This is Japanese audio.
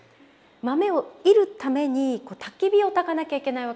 豆を煎るためにたき火をたかなきゃいけないわけですよね。